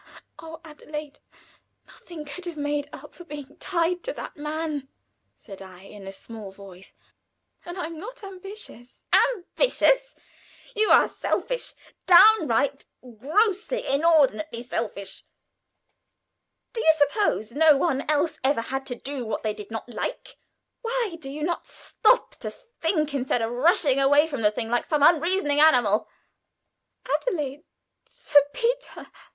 "Oh! Adelaide, nothing could have made up for being tied to that man," said I, in a small voice; "and I am not ambitious." "Ambitious! You are selfish downright, grossly, inordinately selfish. Do you suppose no one else ever had to do what they did not like? Why did you not stop to think instead of rushing away from the thing like some unreasoning animal?" "Adelaide! Sir Peter!